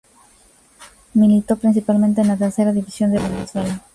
Militó principalmente en la Tercera División de Venezuela.